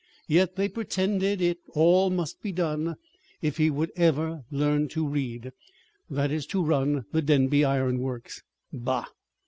Yet they pretended it all must be done if he would ever learn to read that is, to run the Denby Iron Works. Bah!